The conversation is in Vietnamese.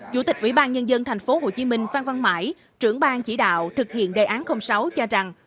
chủ tịch ủy ban nhân dân tp hcm phan văn mãi trưởng bang chỉ đạo thực hiện đề án sáu cho rằng